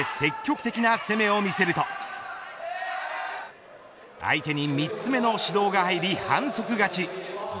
それでも、敗者復活戦で積極的な攻めを見せると相手に３つ目の指導が入り反則勝ち。